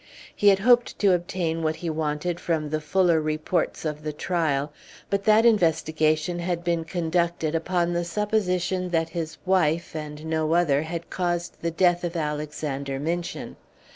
He had hoped to obtain what he wanted from the fuller reports of the trial; but that investigation had been conducted upon the supposition that his wife, and no other, had caused the death of Alexander Minchin.